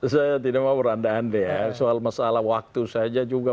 saya tidak mau beranda anda ya soal masalah waktu saja juga